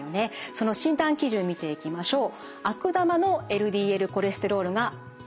その診断基準見ていきましょう。